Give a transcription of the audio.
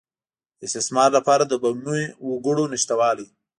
د استثمار لپاره د بومي وګړو نشتوالی.